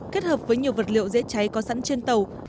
kết hợp với nhiều vật liệu dễ cháy có sẵn trên tàu